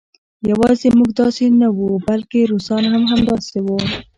یوازې موږ داسې نه وو بلکې روسان هم همداسې وو